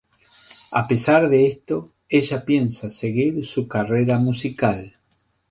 A pesar de esto, ella piensa seguir su carrera musical.